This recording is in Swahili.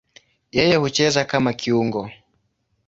Yeye hucheza kama kiungo.